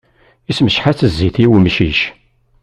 Issemceḥ-as zzit i wemcic.